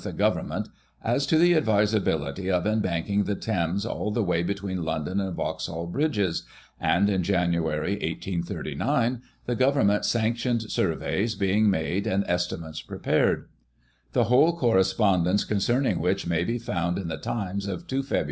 87 the Government as to the advisability of embanking the Thames all the way between London and Vauxhall Bridges, and, in Jan., 1839, ^^ Government sanctioned surveys being made and estimates prepared; the whole correspondence concerning which may be found in the Times of 2 Feb.